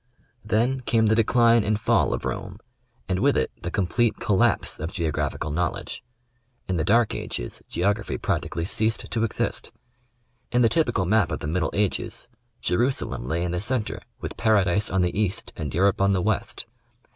Then came the decline and fall of Rome, and with it the com plete collapse of geographical knowledge. In the dark ages, geography practically ceased to exist. In the typical map of the middle ages, Jerusalem lay in the centre with Paradise on the East and Europe on the West.